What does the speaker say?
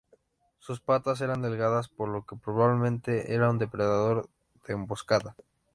Sus patas eran delgadas por lo que probablemente era un depredador de emboscada.